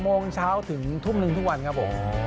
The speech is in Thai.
โมงเช้าถึงทุ่มหนึ่งทุกวันครับผม